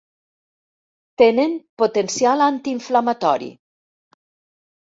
Tenen potencial antiinflamatori.